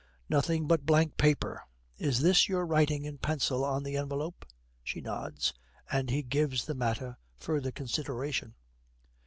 'Nothing but blank paper! Is this your writing in pencil on the envelope?' She nods, and he gives the matter further consideration.